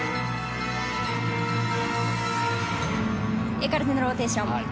エカルテのローテーション。